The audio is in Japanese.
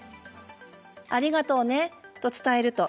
「ありがとうね」と伝えると